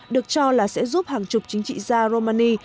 được cho là sẽ giúp hàng chục chính trị gia romani